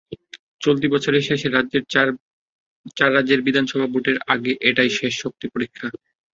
চলতি বছরের শেষে চার রাজ্যের বিধানসভা ভোটের আগে এটাই শেষ শক্তি পরীক্ষা।